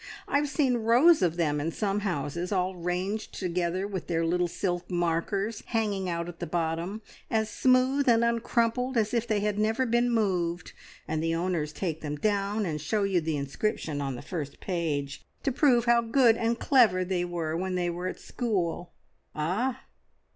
I've seen rows of them in some houses, all ranged together with their little silk markers hanging out at the bottom, as smooth and uncrumpled as if they had never been moved; and the owners take them down and show you the inscription on the first page, to prove how good and clever they were when they were at school!" "Ah!"